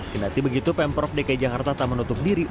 kenati begitu pemprov dki jakarta tak menutup diri